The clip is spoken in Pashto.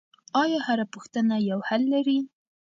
آیا هره پوښتنه یو حل لري؟